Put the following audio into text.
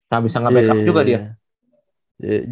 gak bisa ngebackup juga dia